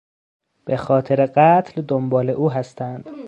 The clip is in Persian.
به خاطر قتل دنبال او هستند.